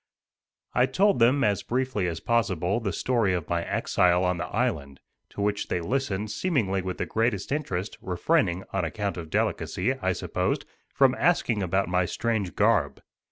* I told them, as briefly as possible, the story of my exile on the island, to which they listened, seemingly with the greatest interest, refraining, on account of delicacy, I supposed, from asking about my strange garb.